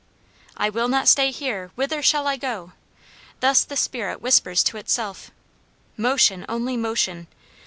"I will not stay here! whither shall I go?" Thus the spirit whispers to itself. Motion, only motion!